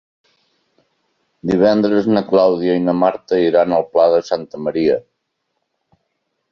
Divendres na Clàudia i na Marta iran al Pla de Santa Maria.